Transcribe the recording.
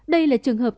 đây là trường hợp